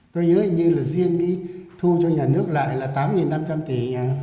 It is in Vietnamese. tôi nhớ như là riêng đi thu cho nhà nước lại là tám năm trăm linh tỷ